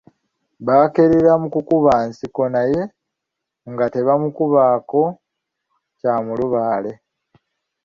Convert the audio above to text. Bakeerera mu kukuba nsiko naye nga tebamukubako kya mulubaale.